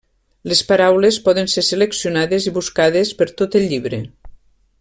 Les paraules poden ser seleccionades i buscades per tot el llibre.